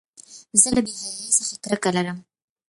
زه له بېحیایۍ څخه کرکه لرم.